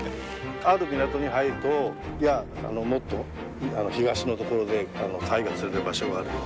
ある港に入ると「いやもっと東の所でタイが釣れる場所があるよ」。